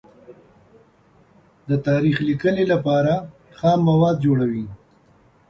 د تاریخ لیکنې لپاره خام مواد جوړوي.